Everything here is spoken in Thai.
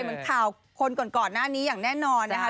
เหมือนข่าวคนก่อนหน้านี้อย่างแน่นอนนะคะ